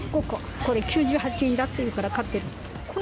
これ９８円だっていうから買ってるの。